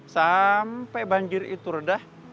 sampai banjir itu redah